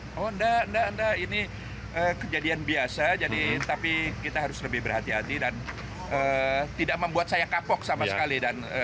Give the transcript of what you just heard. oh enggak enggak ini kejadian biasa tapi kita harus lebih berhati hati dan tidak membuat saya kapok sama sekali